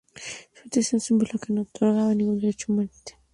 Simplemente, era un símbolo que no otorgaba ningún derecho marital.